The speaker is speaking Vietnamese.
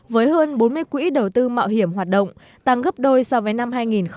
với hơn bốn mươi quỹ đầu tư mạo hiểm hoạt động tăng gấp đôi so với năm hai nghìn một mươi